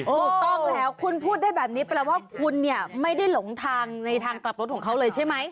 ถูกต้องแล้วคุณพูดได้แบบนี้แปลว่าคุณเนี่ยไม่ได้หลงทางในทางกลับรถของเขาเลยใช่ไหม